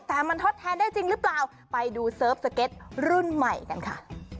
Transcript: แต่มันทดแทนได้จริงหรือเปล่าไปดูเซิร์ฟสเก็ตรุ่นใหม่กันค่ะ